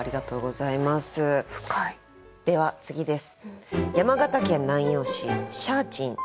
では次です。